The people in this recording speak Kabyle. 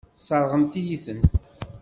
Sseṛɣen-iyi-ten.